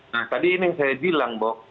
nah tadi ini yang saya bilang bahwa